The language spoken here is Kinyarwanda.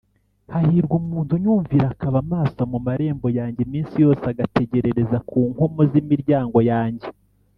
hahirwa umuntu unyumvira, akaba maso mu marembo yanjye iminsi yose, agategerereza ku nkomo z’imiryango yanjye